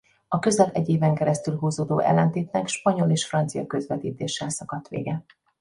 A közel egy éven keresztül húzódó ellentétnek spanyol és francia közvetítéssel szakadt vége.